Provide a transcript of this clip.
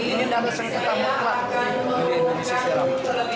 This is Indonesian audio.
ini tidak ada sengketa mutlak di indonesia sejarah